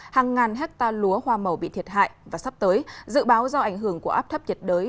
hàng ngàn hecta lúa hoa màu bị thiệt hại và sắp tới dự báo do ảnh hưởng của áp thấp nhiệt đới